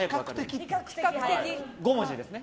５文字ですね。